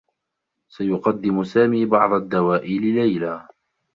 سيقدّم سامي بعض الدّواء لليلى.